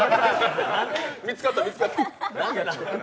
見つかった見つかった。